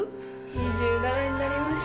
２７になりました。